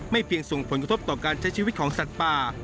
เพียงส่งผลกระทบต่อการใช้ชีวิตของสัตว์ป่า